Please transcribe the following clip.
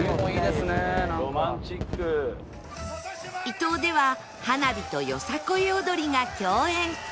伊東では花火とよさこい踊りが共演